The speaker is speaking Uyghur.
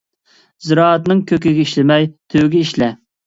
زىرائەتنىڭ كۆكىگە ئىشلىمەي، تۈۋىگە ئىشلە.